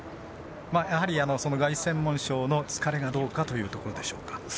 やはり、凱旋門賞の疲れがどうかというところでしょうか。